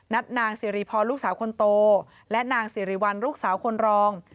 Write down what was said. นางสิริพรลูกสาวคนโตและนางสิริวัลลูกสาวคนรอง